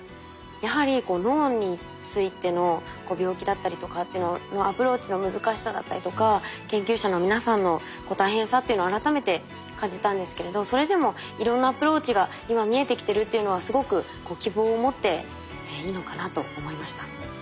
やはりこう脳についての病気だったりとかっていうののアプローチの難しさだったりとか研究者の皆さんの大変さっていうのを改めて感じたんですけれどそれでもいろんなアプローチが今見えてきてるっていうのはすごく希望を持っていいのかなと思いました。